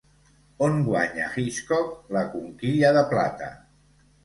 On guanya Hitchcock la Conquilla de Plata?